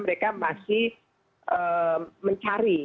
mereka masih mencari